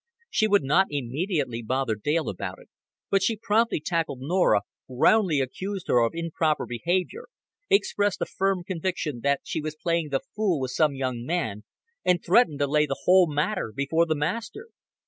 She would not immediately bother Dale about it; but she promptly tackled Norah, roundly accused her of improper behavior, expressed a firm conviction that she was playing the fool with some young man, and threatened to lay the whole matter before the master.